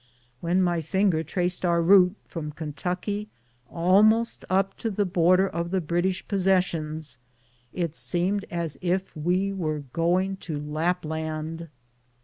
When my finger traced our route from Kentucky almost up to the border of the British Possessions, it seemed as if we were going to Lapland.